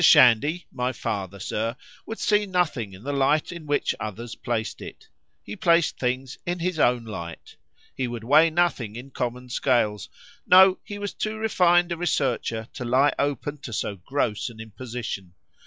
Shandy, my father, Sir, would see nothing in the light in which others placed it;—he placed things in his own light;—he would weigh nothing in common scales;—no, he was too refined a researcher to lie open to so gross an imposition.